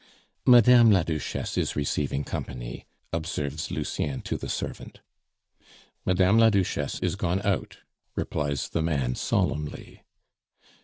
"Madame la Duchesse is receiving company," observes Lucien to the servant. "Madame la Duchesse is gone out," replies the man solemnly.